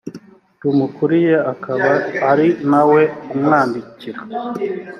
rumukuriye akaba ari nawe umwandikira